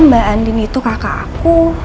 mbak andin itu kakak aku